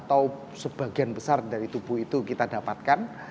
atau sebagian besar dari tubuh itu kita dapatkan